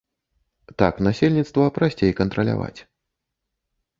Так насельніцтва прасцей кантраляваць.